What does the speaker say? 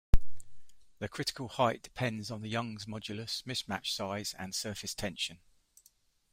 The critical height depends on the Young's modulus, mismatch size, and surface tension.